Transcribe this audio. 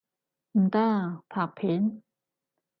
唔得，拍片！